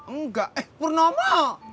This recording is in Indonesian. enggak eh purno mau